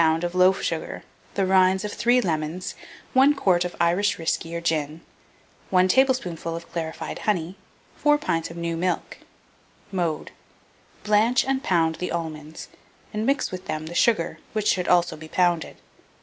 of loaf sugar, the rinds of 3 lemons, 1 quart of Irish whiskey or gin, 1 tablespoonful of clarified honey, 4 pint of new milk. Mode. Blanch and pound the almonds, and mix with them the sugar, which should also be pounded.